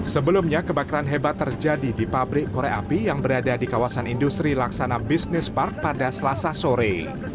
sebelumnya kebakaran hebat terjadi di pabrik korek api yang berada di kawasan industri laksana business park pada selasa sore